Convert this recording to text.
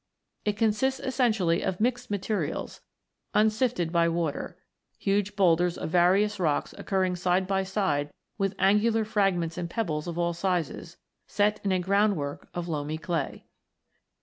It consists essentially of mixed materials, unsifted by water, huge boulders of various rocks occurring side by side with angular fragments and pebbles of all sizes, set in a ground work of loamy clay (Fig.